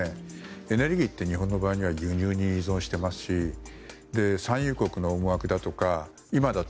エネルギーって、日本の場合は輸入に依存していますし産油国の思惑だとか今だと